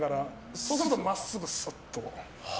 そうすると真っすぐすっと。